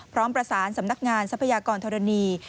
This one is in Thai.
พร้อมประสานสำนักงานทรัพยากรธรณี